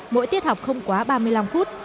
mỗi tiết học không quá ba mươi năm phút